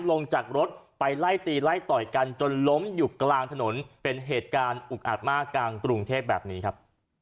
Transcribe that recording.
ลงจากรถไปไล่ตีไล่ต่อยกันจนล้มอยู่กลางถนนเป็นเหตุการณ์อุกอัดมากกลางกรุงเทพแบบนี้ครับ